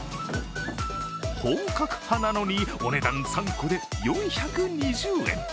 本格派なのに、お値段３個で４２０円。